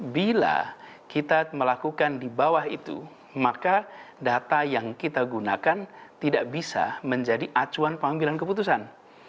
bila kita melakukan di bawah itu maka data yang kita gunakan tidak bisa menjadi acuan pengambilan keputusan